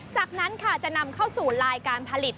จากนั้นค่ะจะนำเข้าสู่ลายการผลิต